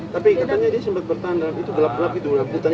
tapi katanya dia sempat bertahan dalam itu gelap gelap itu rambutan